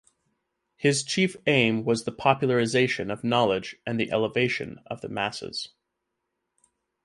His chief aim was the popularization of knowledge and the elevation of the masses.